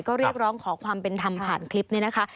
ก็เรียกร้องขอความเป็นธรรมผ่านคลิปนี้นะคะ